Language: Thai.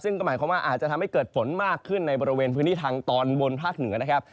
ซึ่งก็หมายความว่าอาจจะทำให้เกิดฝนมากขึ้นในบริเวณพื้นที่ทางตอนบนภาคเหนือนะครับ